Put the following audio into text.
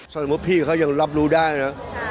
สมมุติพี่เขายังรับรู้ได้นะ